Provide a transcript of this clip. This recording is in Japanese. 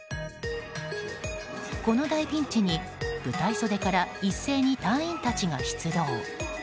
この大ピンチに舞台袖から一斉に隊員たちが出動。